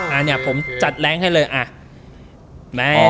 อันนี้ผมจัดแรงให้เลยอ่ะ